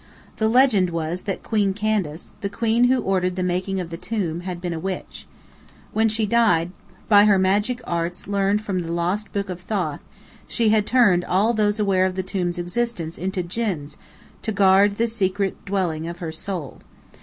The legend was that Queen Candace, the queen who ordered the making of the tomb had been a witch. When she died, by her magic arts learned from the lost Book of Thoth, she had turned all those aware of the tomb's existence, into djinns, to guard the secret dwelling of her soul.